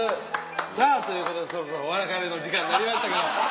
さぁということでそろそろお別れの時間になりましたけど。